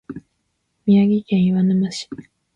宮城県岩沼市